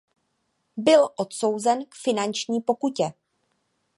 Byl odsouzen k finanční pokutě.